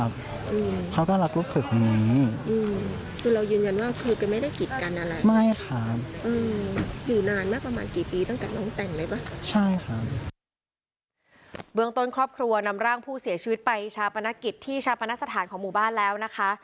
เบื้องต้นครอบครัวนำร่างผู้เสียชีวิตไปชาปนกิจที่ชาปนสถานของหมู่บ้านแล้วนะคะ